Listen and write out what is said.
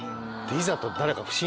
いざ誰か。